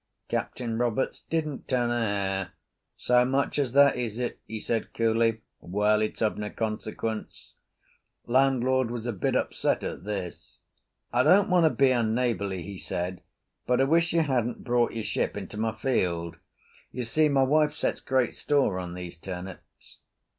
Captain Roberts didn't turn a hair. "So much as that, is it?" he said coolly. "Well, it's of no consequence." Landlord was a bit upset at this. "I don't want to be unneighbourly," he said, "but I wish you hadn't brought your ship into my field. You see, my wife sets great store on these turnips."